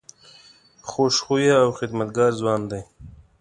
خوش خویه او خدمتګار ځوان دی.